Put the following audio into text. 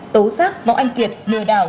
tố xác võ anh kiệt lừa đảo